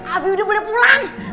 abi udah boleh pulang